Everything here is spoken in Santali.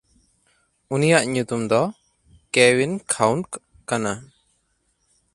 ᱩᱱᱤᱭᱟᱜ ᱧᱩᱛᱩᱢ ᱫᱚ ᱠᱮᱶᱤᱱᱠᱷᱟᱱᱜ ᱠᱟᱱᱟ᱾